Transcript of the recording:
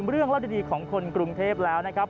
เรื่องเล่าดีของคนกรุงเทพแล้วนะครับ